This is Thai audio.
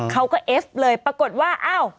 เขาก็เอฟเลยปรากฏว่า